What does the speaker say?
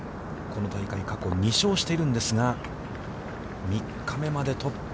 この大会、過去２勝しているんですが、３日目までトップ。